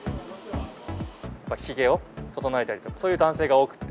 やっぱりひげを整えたりとか、そういう男性が多くて。